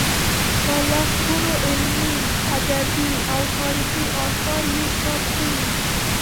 په لسګونو علمي، ادبي او تاریخي اثار یې چاپ شوي.